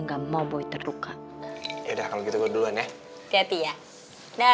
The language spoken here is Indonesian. nggak mau boy terluka ya udah kalau gitu gue duluan ya hati hati ya dah